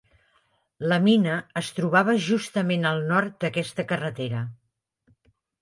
La mina es trobava justament al nord d'aquesta carretera.